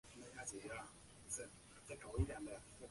法罗群岛杯是法罗群岛的一项球会淘汰制杯赛的足球赛事。